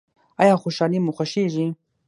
ایا خوشحالي مو خوښیږي؟